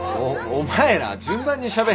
お前ら順番にしゃべれよ。